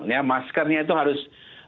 ya maskernya itu harus